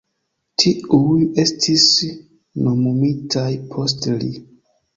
Tiuj estis nomumitaj post li.